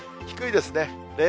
低いですね。